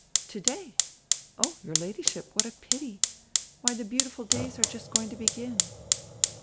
"Today? Oh, your Ladyship, what a pity! Why, the beautiful days are just going to begin."